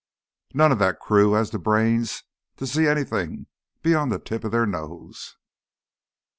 None of that crew has the brains to see anything beyond the tip of his nose.